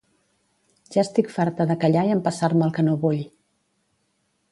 Ja estic farta de callar i empassar-me el que no vull.